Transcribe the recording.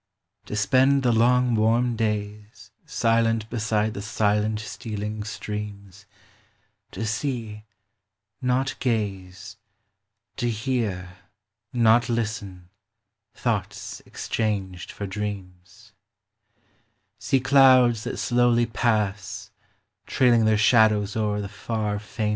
To spend the Long warm days Silent beside the silent stealing streams, To see, oo1 gaze,— To hear, not Listen* thought* exchanged for dreams : Sec Clouds that slowly 08 Trailing their shadows o'er the to lain!